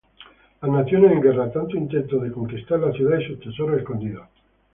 Las naciones en guerra tanto intento de conquistar la ciudad y sus tesoros escondidos.